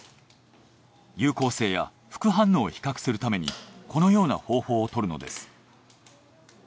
有効性や副反応を比較するためにこのような方法をとるのです。